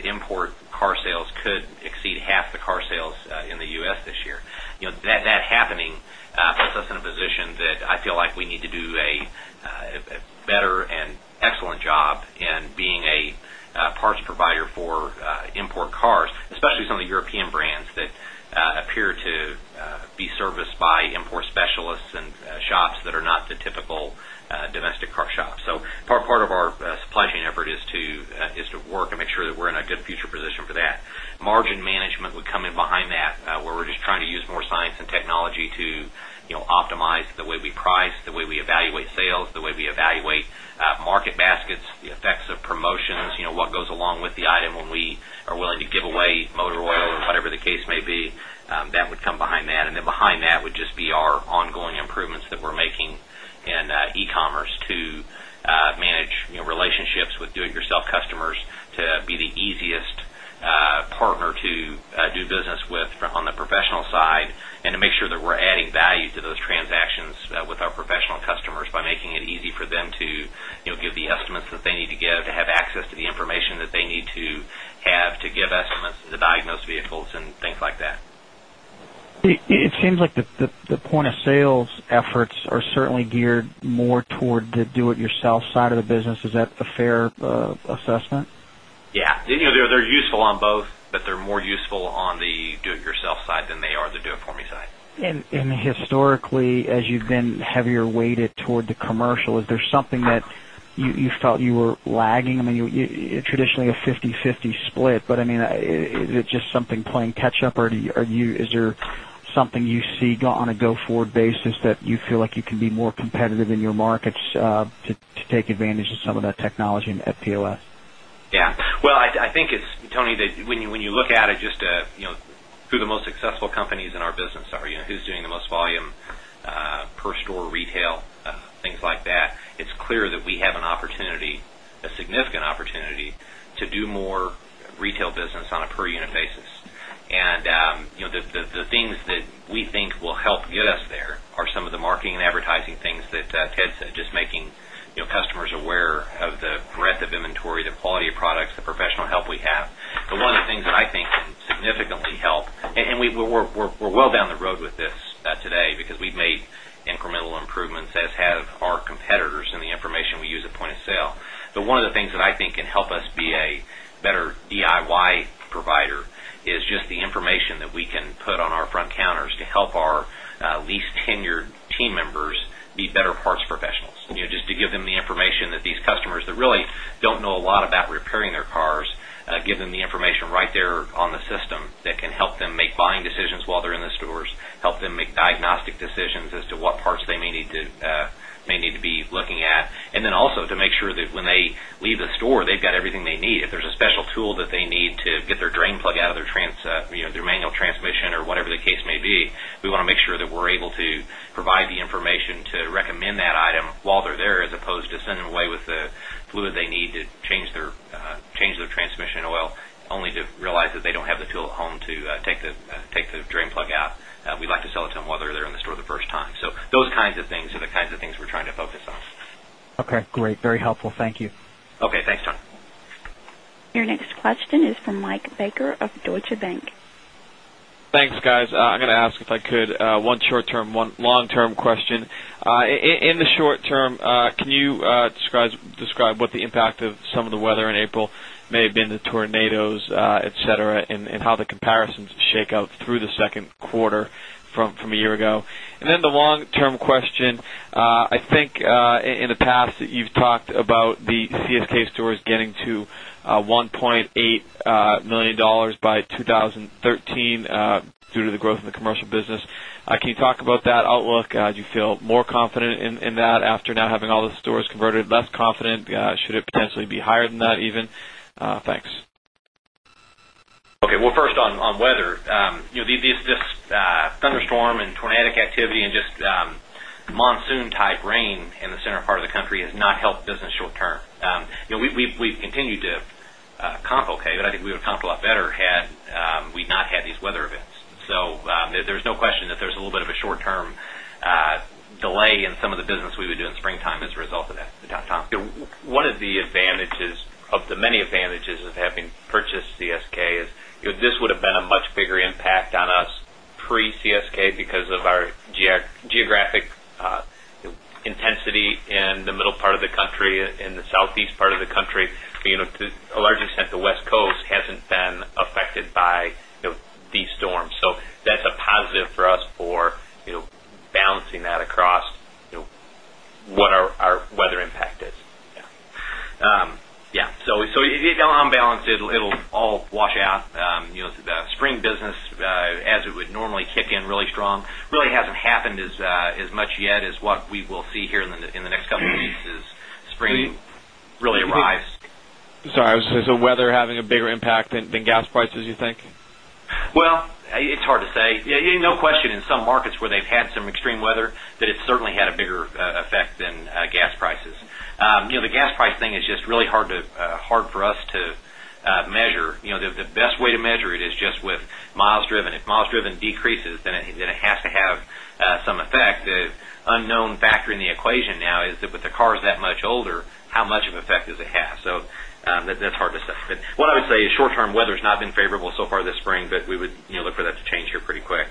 import car sales could exceed half the car sales in the U.S. this year. You know, that happening puts us in a position that I feel like we need to do a better and excellent job in being a parts provider for import cars, especially some of the European brands that appear to be serviced by import specialists and shops that are not the typical domestic car shops. Part of our supply chain effort is to work and make sure that we're in a good future position for that. Margin management would come in behind that, where we're just trying to use more science and technology to, you know, optimize the way we price, the way we evaluate sales, the way we evaluate market baskets, the effects of promotions, you know, what goes along with the item when we are willing to give away motor oil or whatever the case may be. That would come behind that. Behind that would just be our ongoing improvements that we're making in e-commerce to manage, you know, relationships with do-it-yourself customers to be the easiest partner to do business with on the professional side and to make sure that we're adding value to those transactions with our professional customers by making it easy for them to, you know, give the estimates that they need to give, to have access to the information that they need to have to give estimates to the diagnosed vehicles and things like that. It seems like the point-of-sale efforts are certainly geared more toward the do-it-yourself side of the business. Is that a fair assessment? Yeah, you know, they're useful on both, but they're more useful on the do-it-yourself side than they are the do-it-for-me side. Historically, as you've been heavier weighted toward the commercial, is there something that you felt you were lagging? You're traditionally a 50/50 split, but is it just something playing catch-up, or is there something you see on a go-forward basis that you feel like you can be more competitive in your markets to take advantage of some of that technology and (FPLF)? I think it's, Tony, that when you look at it just to, you know, who the most successful companies in our business are, you know, who's doing the most volume per store retail, things like that, it's clear that we have an opportunity, a significant opportunity to do more retail business on a per-unit basis. The things that we think will help get us there are some of the marketing and advertising things that Ted said, just making customers aware of the breadth of inventory, the quality of products, the professional help we have. One of the things that I think can significantly help, and we're well down the road with this today because we've made incremental improvements, as have our competitors in the information we use at point of sale. One of the things that I think can help us be a better DIY provider is just the information that we can put on our front counters to help our least tenured team members be better parts professionals. Just to give them the information that these customers that really don't know a lot about repairing their cars, give them the information right there on the system that can help them make buying decisions while they're in the stores, help them make diagnostic decisions as to what parts they may need to be looking at. Also, to make sure that when they leave the store, they've got everything they need. If there's a special tool that they need to get their drain plug out of their manual transmission or whatever the case may be, we want to make sure that we're able to provide the information to recommend that item while they're there, as opposed to sending them away with the fluid they need to change their transmission oil, only to realize that they don't have the tool at home to take the drain plug out. We'd like to sell it to them while they're there in the store the first time. Those kinds of things are the kinds of things we're trying to focus on. Okay. Great. Very helpful. Thank you. Okay. Thanks, Tony. Your next question is from Mike Baker of Deutsche Bank. Thanks, guys. I'm going to ask if I could one short-term, one long-term question. In the short term, can you describe what the impact of some of the weather in April may have been to tornadoes, etc., and how the comparisons shake out through the second quarter from a year ago? The long-term question, I think in the past you've talked about the CSK stores getting to $1.8 million by 2013 due to the growth in the commercial business. Can you talk about that outlook? Do you feel more confident in that after now having all the stores converted? Less confident? Should it potentially be higher than that even? Thanks. Okay. First on weather, you know, this thunderstorm and tornadic activity and just the monsoon-type rain in the center part of the country has not helped business short term. You know, we've continued to comp okay, but I think we would comp a lot better had we not had these weather events. There's no question that there's a little bit of a short-term delay in some of the business we would do in springtime as a result of that. One of the advantages of the many advantages of having purchased CSK is this would have been a much bigger impact on us pre-CSK because of our geographic intensity in the middle part of the country, in the southeast part of the country. To a large extent, the West Coast hasn't been affected by these storms. That's a positive for us for balancing that across what our weather impact is. Yeah. If you don't balance it, it'll all wash out. The spring business, as it would normally kick in really strong, really hasn't happened as much yet as what we will see here in the next couple of weeks as spring really arrives. I was going to say, weather having a bigger impact than gas prices, you think? It's hard to say. Yeah, no question in some markets where they've had some extreme weather that it's certainly had a bigger effect than gas prices. The gas price thing is just really hard for us to measure. The best way to measure it is just with miles driven. If miles driven decreases, then it has to have some effect. The unknown factor in the equation now is that with the cars that much older, how much of an effect does it have? That's hard to say. What I would say is short-term weather has not been favorable so far this spring, but we would look for that to change here pretty quick.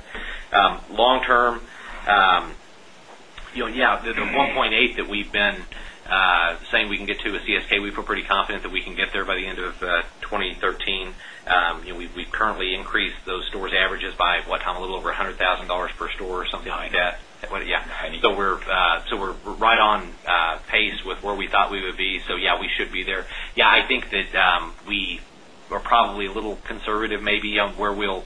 Long term, yeah, the $1.8 million that we've been saying we can get to with CSK, we feel pretty confident that we can get there by the end of 2013. We've currently increased those stores' averages by, what, Tom, a little over $100,000 per store or something like that? Yeah. We're right on pace with where we thought we would be. Yeah, we should be there. I think that we are probably a little conservative maybe on where we'll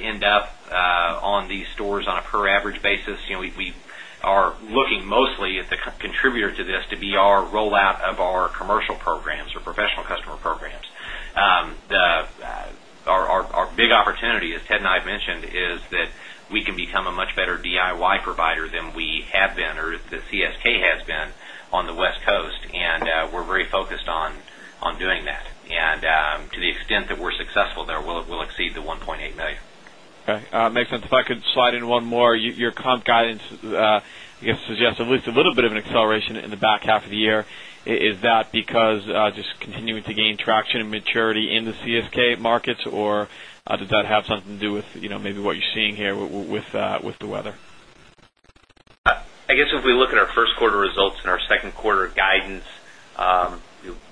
end up on these stores on a per-average basis. You know, we are looking mostly at the contributor to this to be our rollout of our commercial programs or professional customer programs. Our big opportunity, as Ted and I have mentioned, is that we can become a much better DIY provider than we have been or that CSK has been on the West Coast. We're very focused on doing that. To the extent that we're successful there, we'll exceed the $1.8 million. Okay. Makes sense. If I could slide in one more, your comp guidance, I guess, suggests at least a little bit of an acceleration in the back half of the year. Is that because just continuing to gain traction and maturity in the CSK markets, or does that have something to do with, you know, maybe what you're seeing here with the weather? I guess if we look at our first quarter results and our second quarter guidance,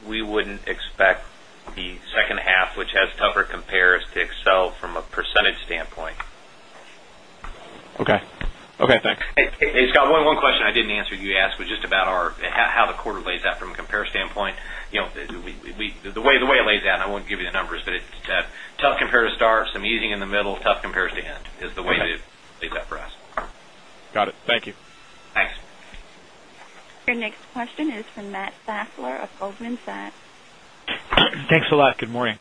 we wouldn't expect the second half, which has tougher compares, to excel from a percentage standpoint. Okay, thanks. Hey, just, one question I didn't answer you asked was just about how the quarter lays out from a compare standpoint. You know, the way it lays out, and I won't give you the numbers, but it's tough compared to start, some easing in the middle, tough compared to end is the way to lay that for us. Got it. Thank you. Thanks. Your next question is from Matt McClure of Goldman Sachs. Thanks a lot. Good morning.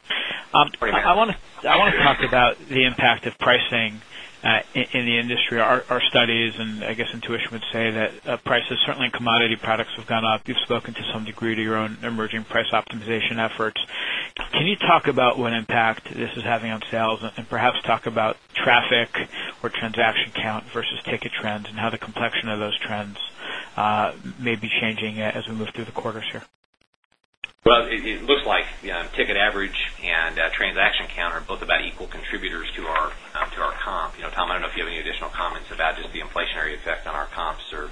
Morning, Mike. I want to talk about the impact of pricing in the industry. Our studies, and I guess intuition would say that prices certainly in commodity products have gone up. You've spoken to some degree to your own emerging price optimization efforts. Can you talk about what impact this is having on sales and perhaps talk about traffic or transaction count versus ticket trends and how the complexion of those trends may be changing as we move through the quarters here? It looks like ticket average and transaction count are both about equal contributors to our comp. Tom, I don't know if you have any additional comments about just the inflationary effect on our comps or.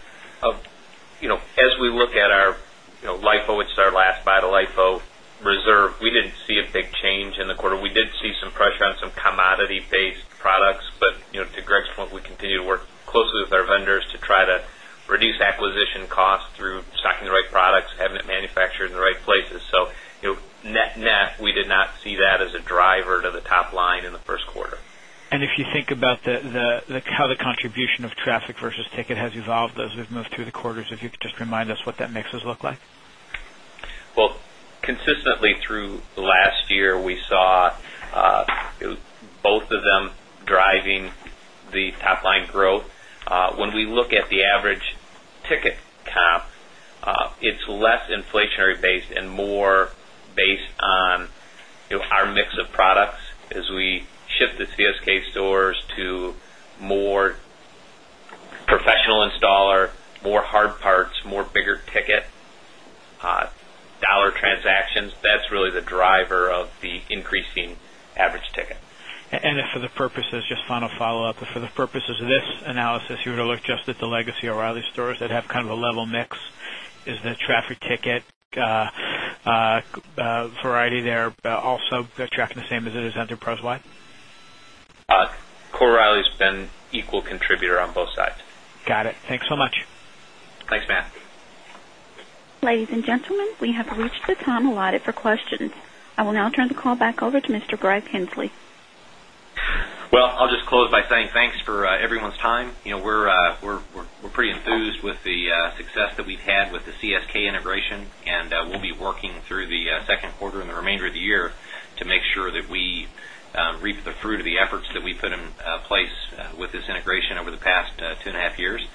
As we look at our LIFO, which is our last vital LIFO reserve, we didn't see a big change in the quarter. We did see some pressure on some commodity-based products, but to Greg's point, we continue to work closely with our vendors to try to reduce acquisition costs through stocking the right products, having it manufactured in the right places. Net-net, we did not see that as a driver to the top line in the first quarter. If you think about how the contribution of traffic versus ticket has evolved as we've moved through the quarters, if you could just remind us what that mix has looked like? Consistently through the last year, we saw both of them driving the top line growth. When we look at the average ticket comp, it's less inflationary-based and more based on our mix of products as we ship the CSK stores to more professional installer, more hard parts, more bigger ticket dollar transactions. That's really the driver of the increasing average ticket. purposes of this analysis, just final follow-up, for the purposes of this analysis, if you were to look just at the legacy O'Reilly stores that have kind of a level mix, is the traffic ticket variety there also tracking the same as it is enterprise-wide? O'Reilly's been an equal contributor on both sides. Got it. Thanks so much. Thanks, Matt. Ladies and gentlemen, we have reached the time allotted for questions. I will now turn the call back over to Mr. Greg Henslee. I’ll just close by saying thanks for everyone's time. You know, we're pretty enthused with the success that we've had with the CSK integration, and we'll be working through the second quarter and the remainder of the year to make sure that we reap the fruit of the efforts that we put in place with this integration over the past two and a half years.